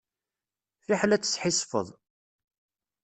Fiḥel ad tesḥissfeḍ.